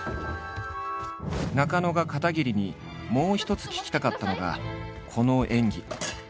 中野が片桐にもう一つ聞きたかったのがこの演技。